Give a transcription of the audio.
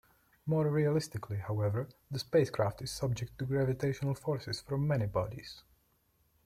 More realistically, however, the spacecraft is subject to gravitational forces from many bodies.